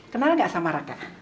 kenal gak sama raka